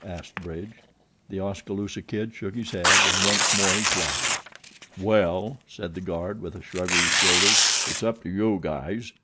asked Bridge. The Oskaloosa Kid shook his head, and once more he flushed. "Well," said the guard, with a shrug of his shoulders, "it's up to you guys.